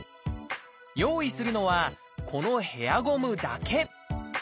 用意するのはこのヘアゴムだけ。